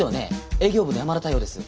営業部の山田太陽です。